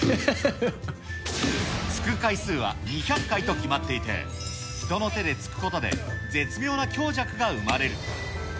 つく回数は２００回と決まっていて、人の手でつくことで、絶妙な強弱が生まれる。